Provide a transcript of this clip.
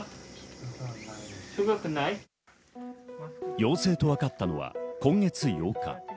陽性とわかったのは今月８日。